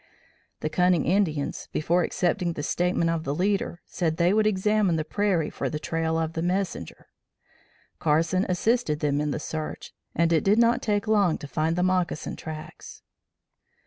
The cunning Indians, before accepting the statement of the leader, said they would examine the prairie for the trail of the messenger. Carson assisted them in the search, and it did not take long to find the moccasin tracks.